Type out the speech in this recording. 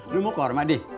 lu mau kurma deh